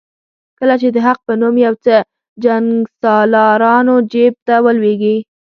کله چې د حق په نوم یو څه جنګسالارانو جیب ته ولوېږي.